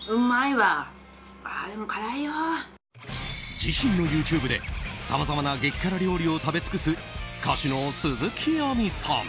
自身のＹｏｕＴｕｂｅでさまざまな激辛料理を食べ尽くす歌手の鈴木亜美さん。